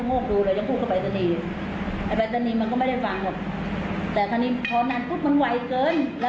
๒๓คันแต่ว่าเป็นใะเช้ามาทำอะไรดูโล่งมาอีกว่า